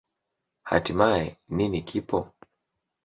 Hatimaye, nini kipo?